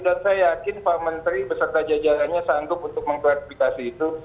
saya yakin pak menteri beserta jajarannya sanggup untuk mengklarifikasi itu